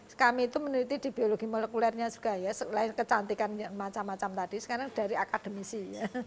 kami itu meneliti di biologi molekulernya juga ya oleh kecantikan macam macam tadi sekarang dari akademisi